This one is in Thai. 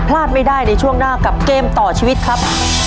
พลาดไม่ได้ในช่วงหน้ากับเกมต่อชีวิตครับ